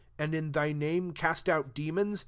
and in thy name tastoiU demons?